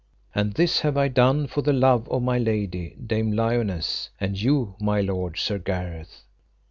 And this have I done for the love of my lady Dame Lionesse, and you my lord Sir Gareth.